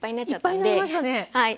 いっぱいになりましたねはい。